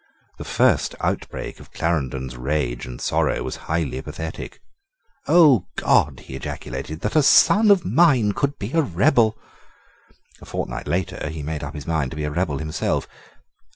The first outbreak of Clarendon's rage and sorrow was highly pathetic. "Oh God!" he ejaculated, "that a son of mine should be a rebel!" A fortnight later he made up his mind to be a rebel himself.